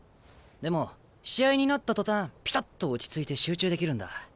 でも試合になった途端ピタッと落ち着いて集中できるんだ。